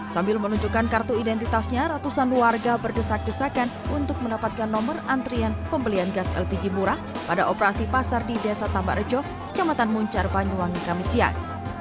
sambil menunjukkan kartu identitasnya ratusan warga berdesak desakan untuk mendapatkan nomor antrian pembelian gas lpg murah pada operasi pasar di desa tambak rejo kecamatan muncar banyuwangi kami siang